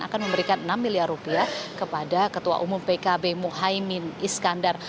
akan memberikan enam miliar rupiah kepada ketua umum pkb muhaymin iskandar